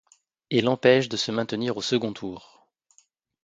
Et l'empêche de se maintenir au second tour.